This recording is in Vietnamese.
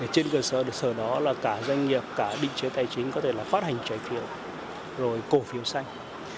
trên cơ sở đó là cả doanh nghiệp cả định chế tài chính có thể là phát hành trải phiệu rồi cổ phiệu xanh